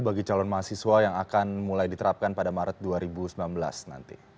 bagi calon mahasiswa yang akan mulai diterapkan pada maret dua ribu sembilan belas nanti